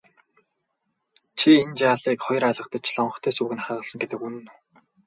Чи энэ жаалыг хоёр алгадаж лонхтой сүүг нь хагалсан гэдэг үнэн үү?